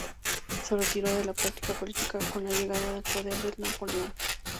Se retiró de la práctica política con la llegada al poder de Napoleón.